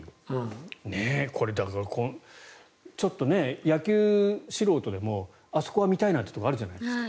だから、野球素人でもあそこは見たいなというところがあるじゃないですか。